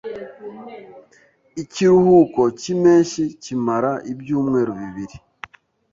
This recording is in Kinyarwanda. Ikiruhuko cyimpeshyi kimara ibyumweru bibiri.